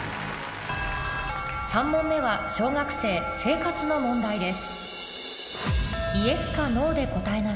３問目は小学生生活の問題です